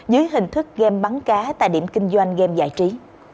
dưới hình thức game bắn cá tại điểm kinh doanh game giải trí